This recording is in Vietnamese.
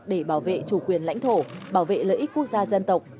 để bảo vệ chủ quyền lãnh thổ bảo vệ lợi ích quốc gia dân tộc